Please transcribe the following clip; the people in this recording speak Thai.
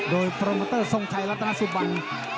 โดยโปรโมเตอร์ทรงชัยรัตนสุบัน